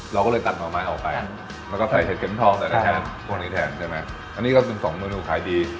เราก็เลยตัดหน่อไม้ออกไปแล้วก็ใส่เห็ดเข็มทองใส่แทนพวกนี้แทนใช่ไหมอันนี้ก็เป็นสองเมนูขายดี